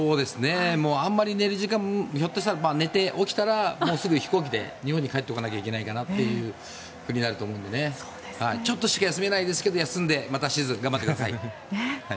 あまり寝る時間もひょっとしたら寝て起きたら飛行機で日本に帰ってこないといけなくなると思うのでちょっとしか休めないですけど休んでまたシーズン頑張ってください。